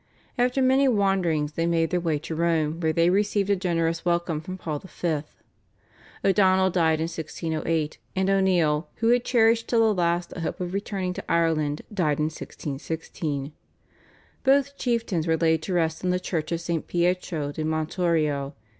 After many wanderings they made their way to Rome, where they received a generous welcome from Paul V. O'Donnell died in 1608, and O'Neill, who had cherished till the last a hope of returning to Ireland, died in 1616. Both chieftains were laid to rest in the Church of St. Pietro di Montorio.